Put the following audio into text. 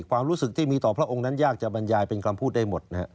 ความรู้สึกที่มีต่อพระองค์นั้นยากจะบรรยายเป็นคำพูดได้หมด